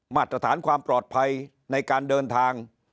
มาตรฐานความปลอดภัยในการเดินทาง